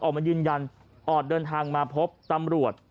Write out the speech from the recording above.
ออกมายืนยันออดเดินทางมาพบตำรวจ